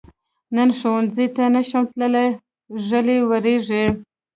نن ښؤونځي ته نشم تللی، ږلۍ وریږي.